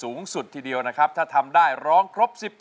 รายการต่อไปนี้เป็นรายการทั่วไปสามารถรับชมได้ทุกวัย